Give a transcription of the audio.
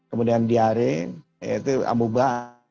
kemudian diare itu amoeba